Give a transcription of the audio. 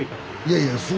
いやいや。